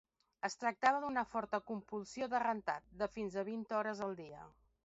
Es tractava d'una forta compulsió de rentat, de fins a vint hores al dia.